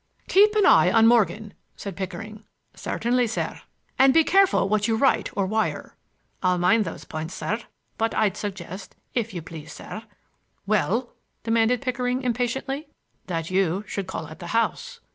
"Keep an eye on Morgan," said Pickering. "Certainly, sir." "And be careful what you write or wire." "I'll mind those points, sir. But I'd suggest, if you please, sir—" "Well?" demanded Pickering impatiently. "That you should call at the house.